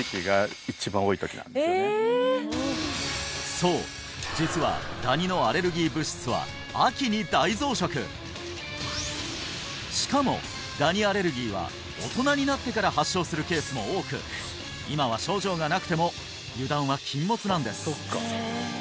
そう実はしかもダニアレルギーは大人になってから発症するケースも多く今は症状がなくても油断は禁物なんです